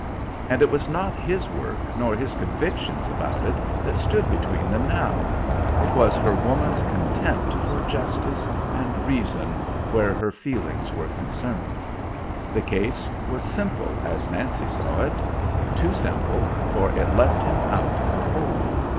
And it was not his work nor his convictions about it that stood between them now; it was her woman's contempt for justice and reason where her feelings were concerned. The case was simple as Nancy saw it; too simple, for it left him out in the cold.